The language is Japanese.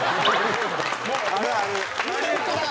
あるある。